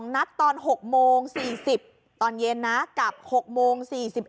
นัดตอน๖โมง๔๐ตอนเย็นนะกลับ๖โมง๔๑